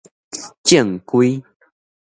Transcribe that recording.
正規